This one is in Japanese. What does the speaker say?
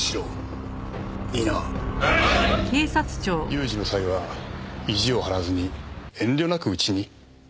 有事の際は意地を張らずに遠慮なくうちに。